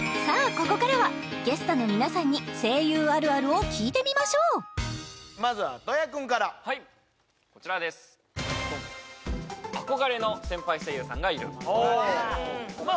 ここからはゲストの皆さんに声優あるあるを聞いてみましょうまずは戸谷君からはいこちらですおおまあ